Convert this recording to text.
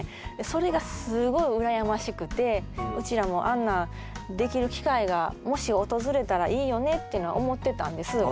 それがうちらもあんなできる機会がもし訪れたらいいよねっていうのは思ってたんです。